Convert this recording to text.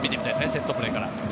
セットプレーから。